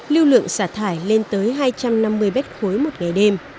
lưu lượng xả thải lên tới hai trăm năm mươi mét khối một ngày đêm